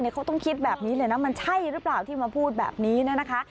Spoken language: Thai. เขาต้องคิดแบบนี้เลยนะมันใช่หรือเปล่าที่มาพูดแบบนี้นะคะ